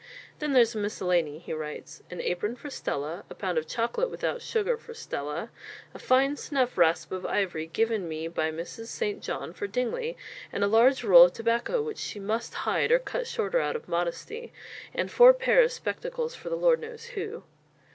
"Then there's the miscellany," he writes, "an apron for Stella, a pound of chocolate, without sugar, for Stella, a fine snuff rasp of ivory, given me by Mrs. St. John for Dingley, and a large roll of tobacco which she must hide or cut shorter out of modesty, and four pair of spectacles for the Lord knows who."